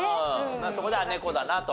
そこで猫だなと？